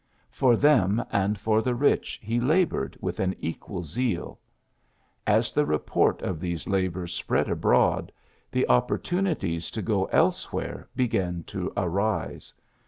For them and for the rich he labored with an equal zeal. As the report of these labors spread abroad, the opportu nities to go ebewhere began to arise.